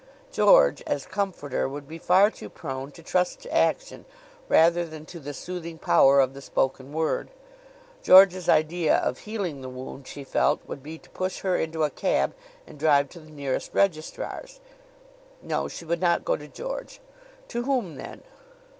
George, as comforter, would be far too prone to trust to action rather than to the soothing power of the spoken word. George's idea of healing the wound, she felt, would be to push her into a cab and drive to the nearest registrar's. No; she would not go to George. To whom, then?